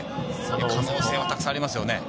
可能性たくさんありますね。